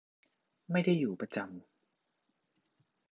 ไม่ได้อยู่ประจำ